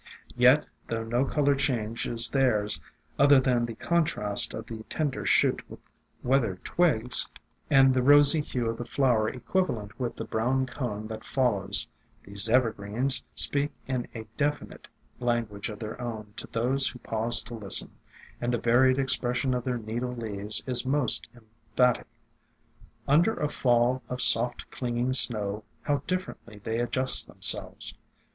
Yet though no color change is theirs, other than the contrast of the tender shoot with weathered twigs, and the rosy hue of the flower equivalent with the brown cone that follows, these evergreens speak in a definite lan guage of their own to those who pause to listen, and the varied expression of their needle leaves is most emphatic. Under a fall of soft clinging snow how differently they adjust themselves.